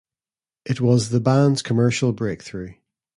It was the band's commercial breakthrough.